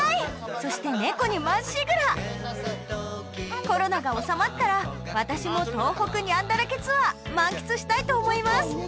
そして猫にまっしぐらコロナが収まったら私も東北ニャンだらけツアー満喫したいと思います